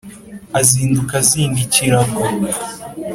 azinduka azinga ikirago